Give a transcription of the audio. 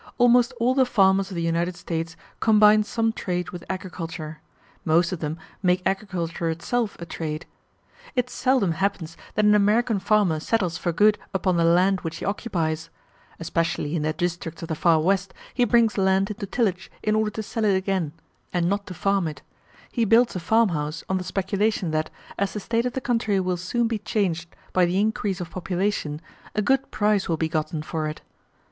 Almost all the farmers of the United States combine some trade with agriculture; most of them make agriculture itself a trade. It seldom happens that an American farmer settles for good upon the land which he occupies: especially in the districts of the Far West he brings land into tillage in order to sell it again, and not to farm it: he builds a farmhouse on the speculation that, as the state of the country will soon be changed by the increase of population, a good price will be gotten for it.